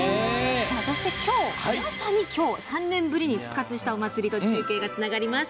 そして、今日３年ぶりに復活したお祭りと中継がつながります。